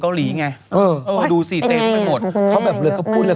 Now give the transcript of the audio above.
ต่างกับหนุ่มเฉริงกับหนุ่มเฉริงเกาหลี